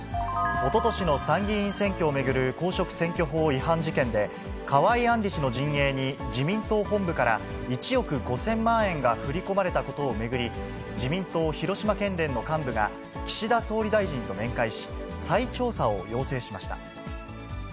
おととしの参議院選挙を巡る公職選挙法違反事件で、河井案里氏の陣営に自民党本部から１億５０００万円が振り込まれたことを巡り、自民党広島県連の幹部が岸田総理大臣と面会し、再調査を要請しました。